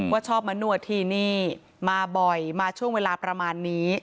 ชอบมานวดที่นี่มาบ่อยมาช่วงเวลาประมาณนี้